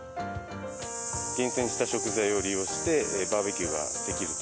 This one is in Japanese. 厳選した食材を利用してバーベキューができると。